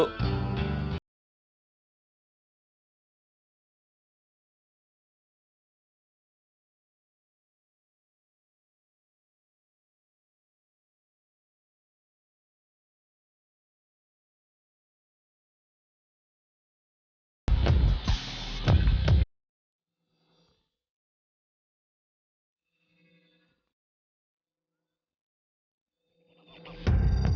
kita mau disini aja